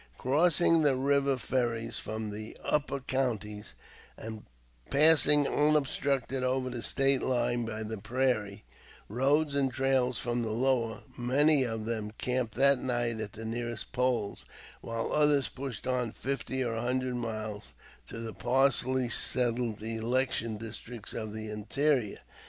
Crossing the river ferries from the upper counties, and passing unobstructed over the State line by the prairie roads and trails from the lower, many of them camped that night at the nearest polls, while others pushed on fifty or a hundred miles to the sparsely settled election districts of the interior.